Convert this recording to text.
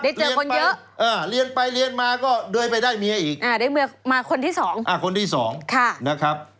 เจอคนเยอะเรียนไปเรียนมาก็เดินไปได้เมียอีกอ่าได้เมียมาคนที่สองคนที่สองนะครับ